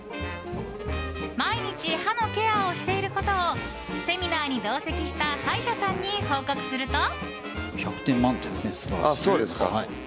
毎日、歯のケアをしていることをセミナーに同席した歯医者さんに報告すると。